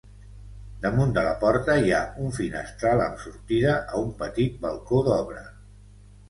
Damunt de la porta hi ha un finestral amb sortida a un petit balcó d’obra.